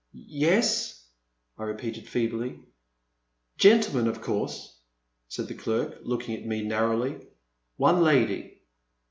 Yes,'* I repeated feebly. Gentlemen of course ?" said the derk look ing at me narrowly. '•One lady.'